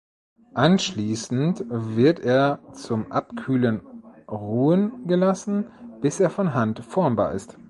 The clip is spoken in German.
Anschließend wird er zum Abkühlen ruhen gelassen, bis er von Hand formbar ist.